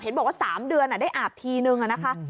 เห็นบอกว่า๓เดือนได้อาบทีนึงนะคะ